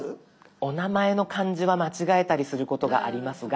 お名前の漢字は間違えたりすることがありますが。